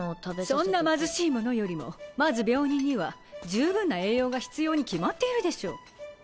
そんな貧しいものよりもまず病人には十分な栄養が必要に決まっているでしょう。